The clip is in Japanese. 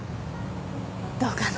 どうかな？